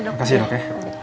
terima kasih dok ya